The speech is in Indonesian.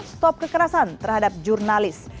stop kekerasan terhadap jurnalis